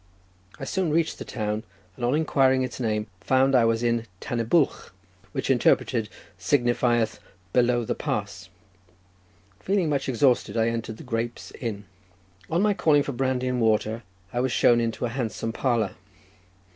I soon reached the town, and on inquiring its name, found I was in Tan y Bwlch, which interpreted signifieth "Below the Pass." Feeling much exhausted, I entered the Grapes Inn. On my calling for brandy and water, I was shown into a handsome parlour.